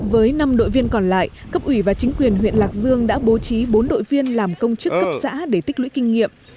với năm đội viên còn lại cấp ủy và chính quyền huyện lạc dương đã bố trí bốn đội viên làm công chức cấp xã để tích lũy kinh nghiệm